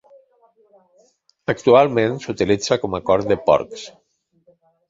Actualment s'utilitza com a cort de porcs.